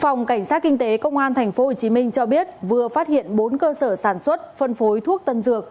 phòng cảnh sát kinh tế công an tp hcm cho biết vừa phát hiện bốn cơ sở sản xuất phân phối thuốc tân dược